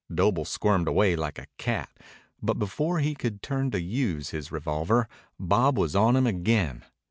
Doble squirmed away like a cat, but before he could turn to use his revolver Bob was on him again.